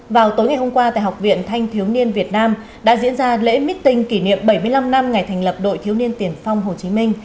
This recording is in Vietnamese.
vào tối ngày hôm qua tại học viện thanh thiếu niên việt nam đã diễn ra lễ meeting kỷ niệm bảy mươi năm năm ngày thành lập đội thiếu niên tiền phong hồ chí minh